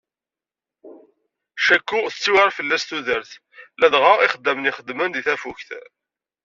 caku tettiwεir fell-asen tudert, ladɣa ixeddamen i ixeddmen i tafukt.